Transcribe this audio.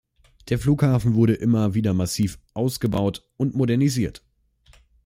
Der Flughafen wurde immer wieder massiv ausgebaut und modernisiert.